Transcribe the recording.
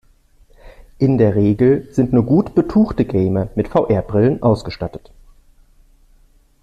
In der Regel sind nur gut betuchte Gamer mit VR-Brillen ausgestattet.